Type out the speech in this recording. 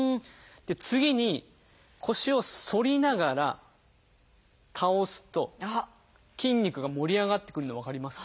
で次に腰を反りながら倒すと筋肉が盛り上がってくるの分かりますか？